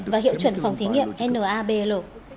và hiệu chuẩn phòng thí nghiệm nabl